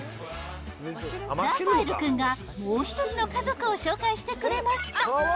ラファエル君がもう１人の家族を紹介してくれました。